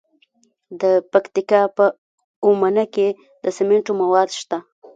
د پکتیکا په اومنه کې د سمنټو مواد شته.